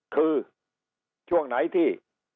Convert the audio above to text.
คือช่วงไหนที่